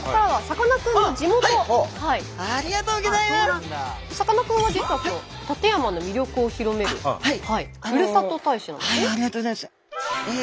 さかなクンは実は館山の魅力を広めるふるさと大使なんですね。